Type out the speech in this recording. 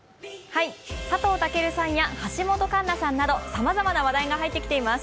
佐藤健さんや橋本環奈さんなどさまざまな話題が入ってきています。